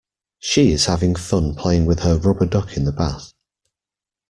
She is having fun playing with her rubber duck in the bath